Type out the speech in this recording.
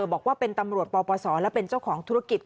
บอกว่าเป็นตำรวจปปศและเป็นเจ้าของธุรกิจ